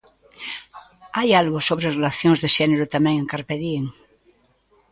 Hai algo sobre relacións de xénero tamén en 'Carpe Diem'.